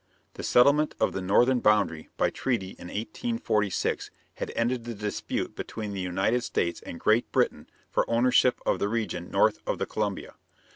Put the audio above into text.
The settlement of the northern boundary by treaty in 1846 had ended the dispute between the United States and Great Britain for ownership of the region north of the Columbia.